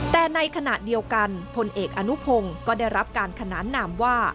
แต่ในขณะเดียวกันพลเอกอนุพงศ์ก็ได้รับการขนานนามว่า